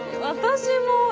私も！